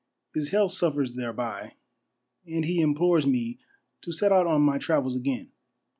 — HIS HEALTH SUFFERS THEREBY, AND HE IMPLORES ME TO SET OUT ON MY" TRAVELS AGAIN.